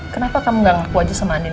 kenapa kamu gak ngaku aja sama adin